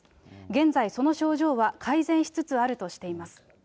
現在、その症状は改善しつつあるとしています。